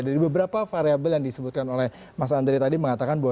dari beberapa variable yang disebutkan oleh mas andri tadi mengatakan bahwa